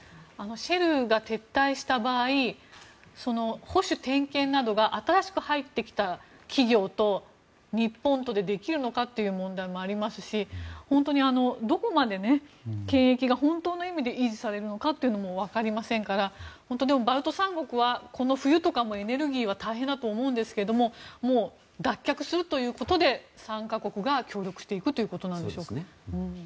撤退した場合保守点検などが新しく入ってきた企業と日本とでできるのかという問題もありますしどこまで権益が本当の意味で維持されるのかというのも分かりませんから本当にバルト三国はこの冬とかも、エネルギーは大変だと思いますけど脱却するということで３か国が協力していくということなんでしょうか。